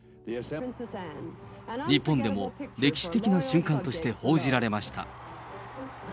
日本でも歴史的な瞬間として報じられました。